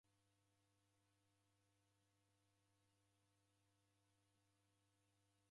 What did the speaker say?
Siasa ra w'ulongozi rareda ndasanya.